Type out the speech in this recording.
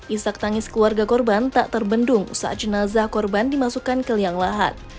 isak tangis keluarga korban tak terbendung saat jenazah korban dimasukkan ke liang lahat